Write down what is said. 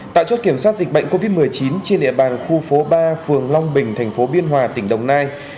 tại chốt kiểm soát dịch bệnh covid một mươi chín trên địa bàn khu phố ba phường long bình thành phố biên hòa tỉnh đồng nai